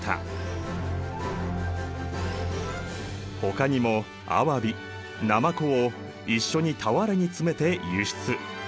ほかにもアワビナマコを一緒に俵に詰めて輸出。